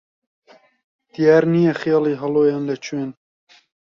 دیار نییە خێڵی هەڵۆیان لە کوێن